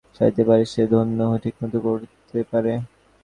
যে এক ছিলিম তামাক ঠিকভাবে সাজিতে পারে, সে ধ্যানও ঠিকমত করিতে পারে।